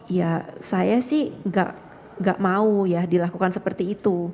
ya saya sih nggak mau ya dilakukan seperti itu